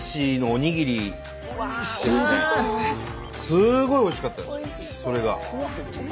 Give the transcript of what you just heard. すごいおいしかったんですよ